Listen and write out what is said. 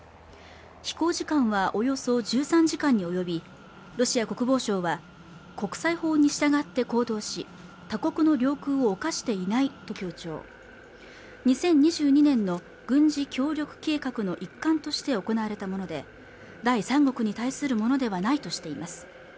飛行時間はおよそ１３時間に及びロシア国防省は国際法に従って行動し他国の領空を侵していないと強調２０２２年の軍事協力計画の一環として行われたもので第三国に対するものではないとしています